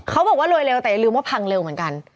เขาบอกว่ารวยเร็วแต่อย่าลืมว่าพังเร็วเหมือนกัน